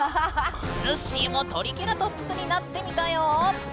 ぬっしーもトリケラトプスになってみたよ。